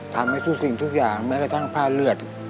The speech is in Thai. ทำให้ทุกสิ่งทุกอย่างแม้กระทั่งผ้าเลือด